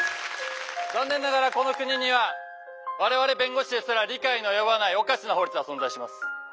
「残念ながらこの国には我々弁護士ですら理解の及ばないおかしな法律は存在します。